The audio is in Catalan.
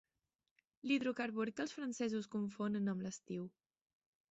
L'hidrocarbur que els francesos confonen amb l'estiu.